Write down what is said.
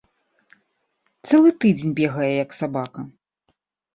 Цэлы тыдзень бегае, як сабака.